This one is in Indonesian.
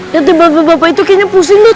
liat di bapak bapak itu kayaknya pusing dud